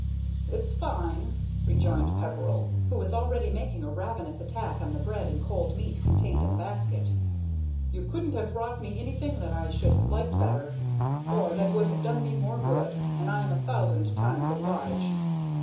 "It's fine," rejoined Peveril, who was already making a ravenous attack on the bread and cold meat contained in the basket. "You couldn't have brought me anything that I should have liked better, or that would have done me more good, and I am a thousand times obliged."